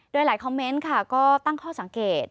โดยหลายคอมเมนต์ค่ะก็ตั้งข้อสังเกต